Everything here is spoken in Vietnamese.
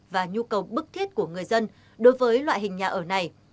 và nhu cầu bức thiết của người dân đối với loại hình nhà ở này